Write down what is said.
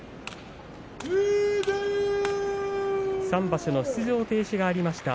３場所の出場停止がありました。